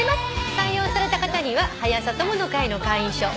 採用された方には「はや朝友の会」の会員証そして。